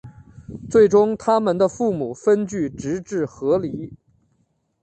最终他们的父母分居直至和离。